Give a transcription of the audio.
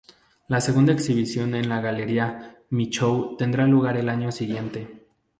Una segunda exhibición en la galería Mi-Chou tendrá lugar el año siguiente.